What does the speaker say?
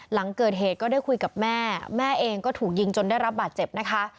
หลังเกิดเหตุก็ได้คุยกับแม่แม่เองก็ถูกยิงจนได้รับบาดเจ็บนะคะ